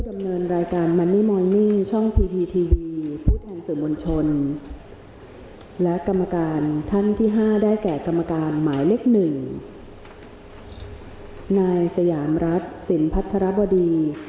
สยามรัฐสินค์พััฒนรับทหวัดี